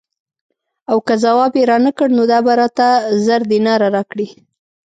او که ځواب یې رانه کړ نو دا به راته زر دیناره راکړي.